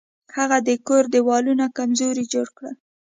هغه د کور دیوالونه کمزوري جوړ کړل.